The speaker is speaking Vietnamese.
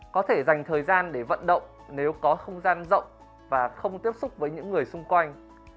có thể dành thời gian để vận động nếu có không gian rộng và không tiếp xúc với những người xung quanh